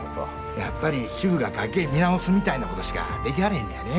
やっぱり主婦が家計見直すみたいなことしかできはれへんのやねぇ。